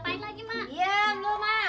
bang juga sadar nih mabu